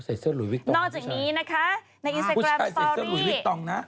ใส่เสื้อหลุยวิกต้องนะครับผู้ชายผู้ชายใส่เสื้อหลุยวิกต้องนะ